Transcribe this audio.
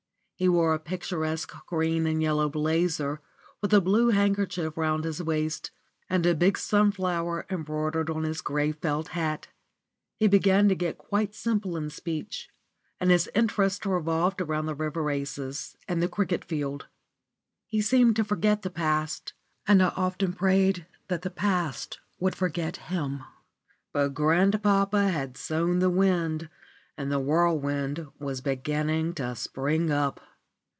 He wore a picturesque green and yellow "blazer," with a blue handkerchief round his waist and a big sunflower embroidered on his grey felt hat. He began to get quite simple in speech, and his interest revolved about the river races and the cricket field. He seemed to forget the past, and I often prayed that the past would forget him. But grandpapa had sown the wind and the whirlwind was beginning to spring up.